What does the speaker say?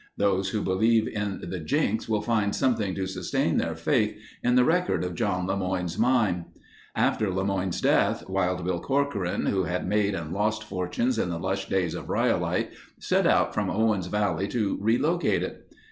Those who believe in the jinx will find something to sustain their faith in the record of John LeMoyne's mine. After LeMoyne's death, Wild Bill Corcoran who had made and lost fortunes in the lush days of Rhyolite, set out from Owens Valley to relocate it.